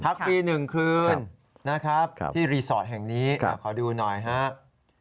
พักฟรี๑คืนที่รีสอร์ทแห่งนี้ขอดูหน่อยครับ